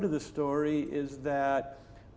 dan dasarnya cerita ini adalah